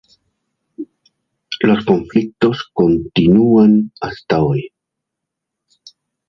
Los conflictos continúan hasta hoy.